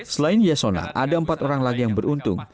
selain yasona ada empat orang lagi yang beruntung